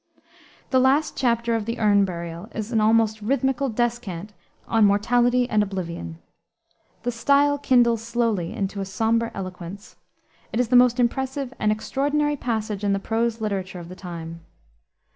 The last chapter of the Urn Burial is an almost rithmical descant on mortality and oblivion. The style kindles slowly into a somber eloquence. It is the most impressive and extraordinary passage in the prose literature of the time.